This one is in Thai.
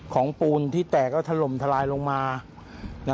ของปูลนี่แตกแล้วถล่มทลายลงมาน่ะ